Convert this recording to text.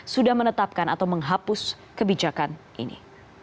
sudah menetapkan atau menghapus kebijakan ini